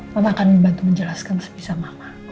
mama akan membantu menjelaskan bisa mama